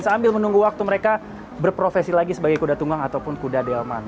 sambil menunggu waktu mereka berprofesi lagi sebagai kuda tunggang ataupun kuda delman